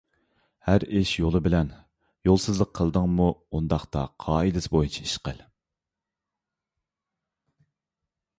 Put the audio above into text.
ھەر ئىش يولى بىلەن. يولسىزلىق قىلدىڭمۇ، ئۇنداقتا قائىدىسى بويىچە ئىش قىل.